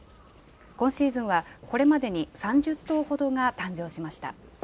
今シーズンはこれまでに３０頭ほどが誕生しました。